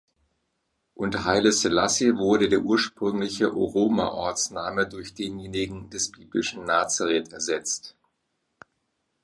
Unter Haile Selassie wurde der ursprüngliche Oromo-Ortsname durch denjenigen des biblischen Nazareth ersetzt.